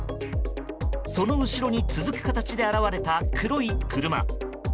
その後ろに続く形で現れた黒い車。